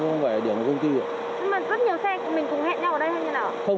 nhưng mà rất nhiều xe của mình cùng hẹn nhau ở đây hay như thế nào ạ